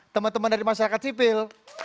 teman teman dari masyarakat sipil